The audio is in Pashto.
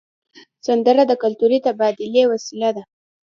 سندره د کلتوري تبادلې وسیله ده